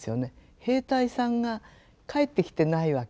兵隊さんが帰ってきてないわけでしょう。